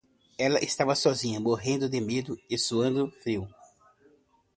Ela estava sozinha, morrendo de medo e suando frio.